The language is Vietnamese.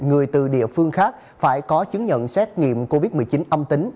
người từ địa phương khác phải có chứng nhận xét nghiệm covid một mươi chín âm tính